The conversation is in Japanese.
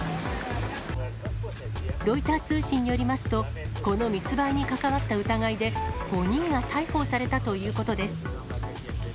ロイター通信によりますと、この密売に関わった疑いで、５人が逮捕されたということです。